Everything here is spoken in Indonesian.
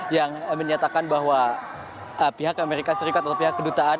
yang menyatakan bahwa pihak amerika serikat atau pihak kedutaan